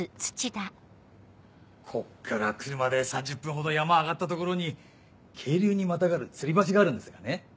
こっから車で３０分ほど山を上がった所に渓流にまたがる吊り橋があるんですがね。